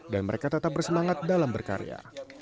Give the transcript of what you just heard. dan mereka tetap bersemangat dalam berkarya